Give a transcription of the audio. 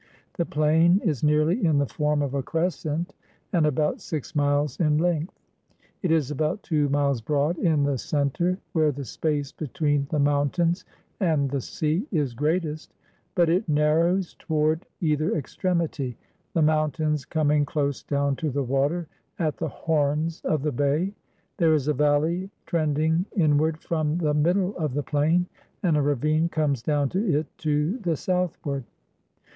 The plain is nearly in the form of a crescent, and about six miles in length. It is about two miles broad in the center, where the space between the mountains and the sea is greatest, but it narrows toward either extremity, the mountains coming close down to the water at the horns of the bay. There is a valley trending inward from the middle of the plain, and a ravine comes down to it to the' southward.